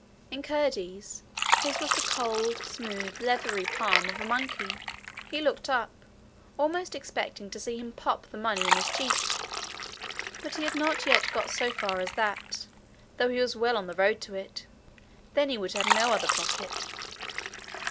In Curdie's, his was the cold smooth leathery palm of a monkey. He looked up, almost expecting to see him pop the money in his cheek; but he had not yet got so far as that, though he was well on the road to it: then he would have no other pocket.